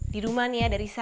di rumah nih ya ada risa